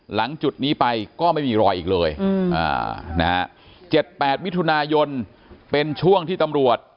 จุดนี้ไปก็ไม่มีรอยอีกเลย๗๘มิถุนายนเป็นช่วงที่ตำรวจ